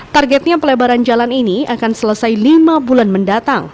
targetnya pelebaran jalan ini akan selesai lima bulan mendatang